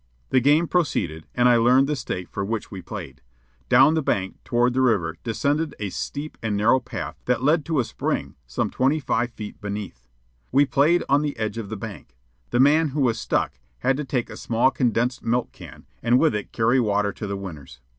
The game proceeded, and I learned the stake for which we played. Down the bank toward the river descended a steep and narrow path that led to a spring some twenty five feet beneath. We played on the edge of the bank. The man who was "stuck" had to take a small condensed milk can, and with it carry water to the winners.